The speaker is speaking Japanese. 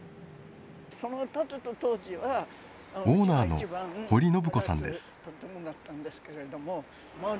オーナーの堀信子さんです。